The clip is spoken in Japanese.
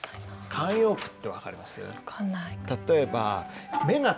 慣用句って分かります？